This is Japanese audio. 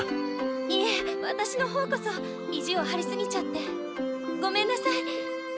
いえワタシのほうこそ意地をはりすぎちゃってごめんなさい。